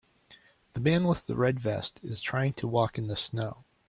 The man with the red vest is trying to walk in the snow.